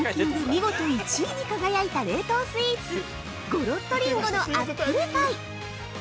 見事１位に輝いた冷凍スイーツごろっとりんごのアップルパイ！